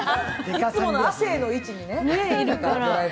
いつもの亜生の位置にいるから。